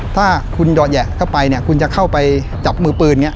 ถ้าคุณเยาะแหยะเข้าไปเนี่ยคุณจะเข้าไปจับมือปืน